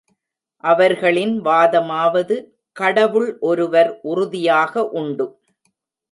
அவர்களின் வாதமாவது கடவுள் ஒருவர் உறுதியாக உண்டு.